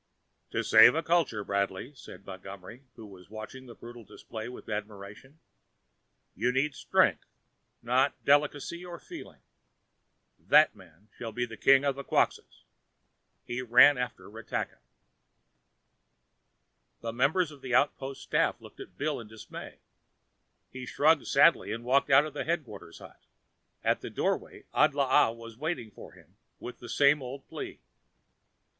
"To save a culture, Bradley," said Montgomery, who had watched the brutal display with admiration, "you need strength, not delicacy or feeling. That man shall be king of the Quxas." He ran after Ratakka. The members of the outpost staff looked at Bill in dismay. He shrugged sadly and walked out of the headquarters hut. At the doorway, Adlaa was waiting for him with the same old plea.